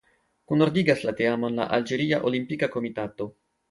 Kunordigas la teamon la Alĝeria Olimpika Komitato.